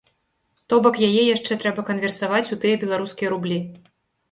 То бок, яе яшчэ трэба канверсаваць у тыя беларускія рублі.